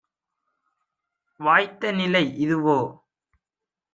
வாய்த்த நிலை இதுவோ!